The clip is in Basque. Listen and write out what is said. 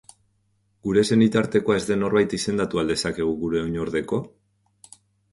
Gure senitartekoa ez den norbait izendatu al dezakegu gure oinordeko?